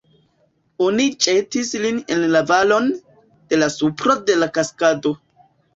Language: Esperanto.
Oni ĵetis lin en la valon, de la supro de la kaskado.